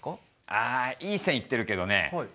あいい線いってるけどね実はね